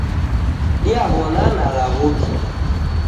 Diawonana law'uke